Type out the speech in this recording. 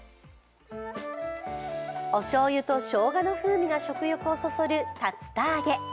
おしょうゆとしょうがの風味が食欲をそそる竜田揚げ。